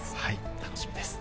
楽しみです。